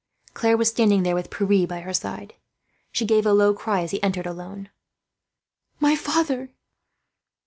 Claire was standing there, with Pierre by her side. She gave a low cry as he entered, alone. "My father!"